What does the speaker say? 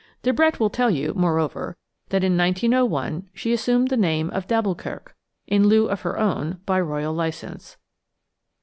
Debrett will tell you, moreover, that in 1901 she assumed the name of d'Alboukirk, in lieu of her own, by royal licence.